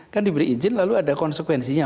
kan diberi izin lalu ada konsekuensinya